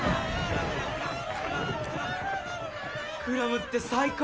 クラムって最高！